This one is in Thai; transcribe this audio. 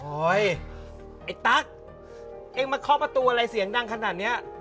ไอ้ตั๊กเองมาเคาะประตูอะไรเสียงดังขนาดเนี้ย